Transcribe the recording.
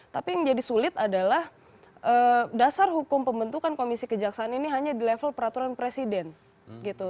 tapi yang jadi sulit adalah dasar hukum pembentukan komisi kejaksaan ini hanya di level peraturan presiden gitu